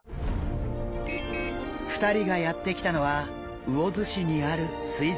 ２人がやって来たのは魚津市にある水族館。